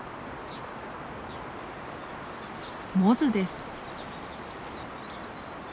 モズです。